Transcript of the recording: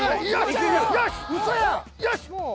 よし！